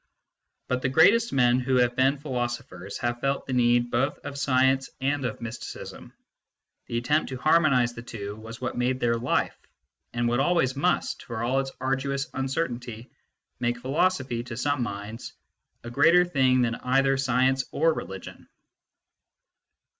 But the greatest men who have been philosophers have felt the need both of science arid of mysticism : the attempt to harmonise the two was what made their life, and what always must, for all its arduous uncertainty, make philosophy, to some minds, a greater thing than either science or religion.